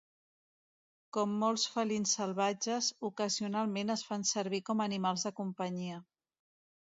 Com molts felins salvatges, ocasionalment es fan servir com a animals de companyia.